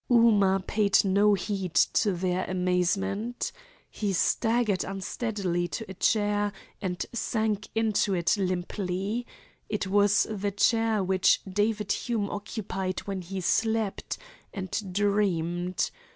Ooma paid no heed to their amazement. He staggered unsteadily to a chair and sank into it limply. It was the chair which David Hume occupied when he slept, and dreamed.